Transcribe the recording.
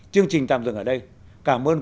chương trình tạm dừng ở đây cảm ơn